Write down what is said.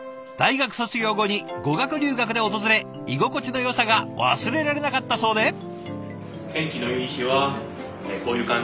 大学卒業後に語学留学で訪れ居心地のよさが忘れられなかったそうで。